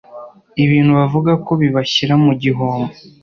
ibintu bavuga ko bibashyira mu gihombo